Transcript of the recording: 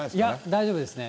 大丈夫ですね。